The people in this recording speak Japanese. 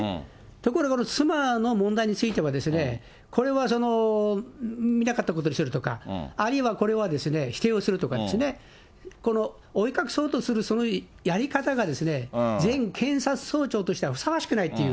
ところがこの妻の問題については、これは見なかったことにするとか、あるいはこれは否定をするとかですね、この覆い隠そうとするそのやり方が、前検察総長としてはふさわしくないっていう。